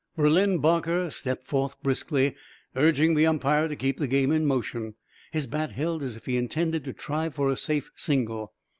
Berlin Barker stepped forth briskly, urging the umpire to keep the game in motion, his bat held as if he intended to try for a safe bingle.